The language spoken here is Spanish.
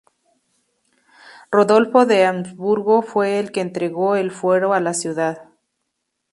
Rodolfo I de Habsburgo fue el que entregó el fuero a la ciudad.